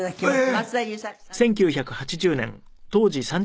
松田優作さんです。